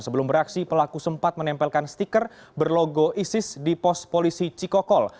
sebelum beraksi pelaku sempat menempelkan stiker berlogo isis di pos polisi cikokol